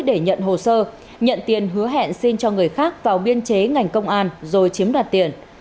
để nhận hồ sơ nhận tiền hứa hẹn xin cho người khác vào biên chế ngành công an rồi chiếm đoạt tiền